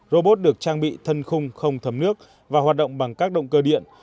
robot được trang bị thân khung không thấm nước và hoạt động bằng các động cơ điện